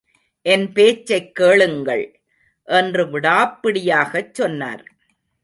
என் பேச்சைக் கேளுங்கள் என்று விடாப்பிடியாகச் சொன்னார்.